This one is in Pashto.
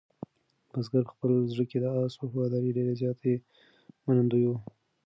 بزګر په خپل زړه کې د آس د وفادارۍ ډېر زیات منندوی و.